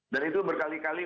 dan itu berkali kali